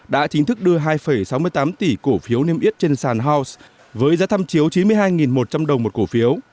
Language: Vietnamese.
đã chính thức đưa hai sáu mươi tám tỷ cổ phiếu niêm yết trên sàn house với giá tham chiếu chín mươi hai một trăm linh đồng một cổ phiếu